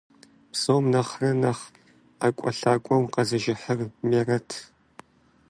Псом нэхърэ нэхъ ӀэкӀуэлъакӀуэу къэзыжыхьыр Мерэтт.